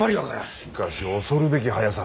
しかし恐るべき速さ。